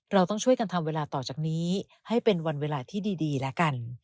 เราต้องช่วยกันทำเวลาต่อจากนี้ให้เป็นวันเวลาที่ดีแล้วกัน